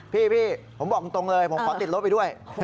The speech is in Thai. พี่ผมบอกตรงเลยผมขอติดรถไปด้วย